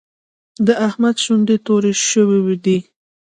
د احمد شونډې تورې شوې دي.